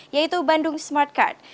yaitu bandung smartcard